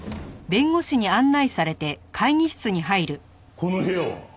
この部屋は？